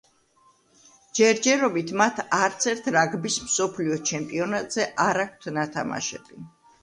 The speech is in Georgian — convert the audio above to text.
ჯერჯერობით მათ არცერთ რაგბის მსოფლიო ჩემპიონატზე არ აქვთ ნათამაშები.